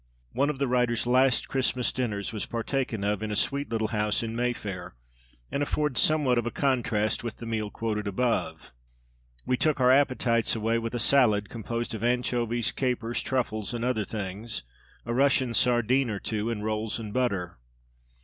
One of the writer's last Christmas dinners was partaken of in a sweet little house in Mayfair; and affords somewhat of a contrast with the meal quoted above. We took our appetites away with a salad composed of anchovies, capers, truffles, and other things, a Russian sardine or two, and rolls and butter.